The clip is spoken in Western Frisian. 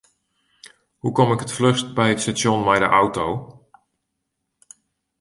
Hoe kom ik it fluchst by it stasjon mei de auto?